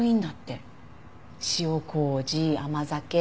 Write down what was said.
塩麹甘酒。